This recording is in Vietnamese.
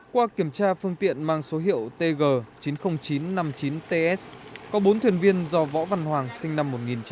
qua kiểm tra phương tiện mang số hiệu tg chín mươi nghìn chín trăm năm mươi chín ts có bốn thuyền viên do võ văn hoàng sinh năm một nghìn chín trăm tám mươi